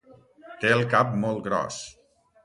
Té el cap molt gros.